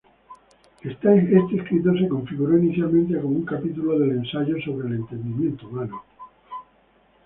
Este escrito se configuró inicialmente como un capítulo del Ensayo sobre el entendimiento humano.